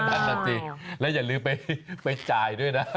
อันนั้นจริงแล้วอย่าลืมไปจ่ายด้วยนะ